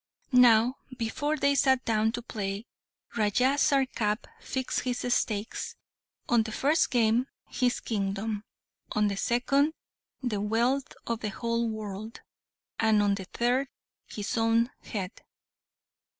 Now, before they sat down to play, Raja Sarkap fixed his stakes, on the first game, his kingdom; on the second, the wealth of the whole world; and, on the third, his own head.